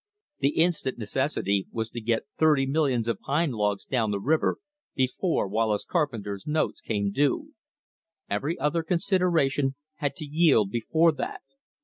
The instant necessity was to get thirty millions of pine logs down the river before Wallace Carpenter's notes came due. Every other consideration had to yield before that.